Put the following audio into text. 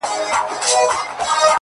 ه ژوند نه و. را تېر سومه له هر خواهیسه .